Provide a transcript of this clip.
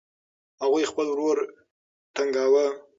هغوی خپل ورور تنګاوه.